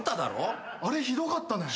あれひどかったね。